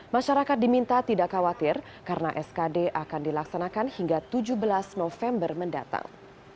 masyarakat diminta tidak khawatir karena skd akan dilaksanakan hingga tujuh belas november mendatang